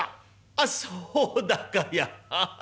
あっそうだかや。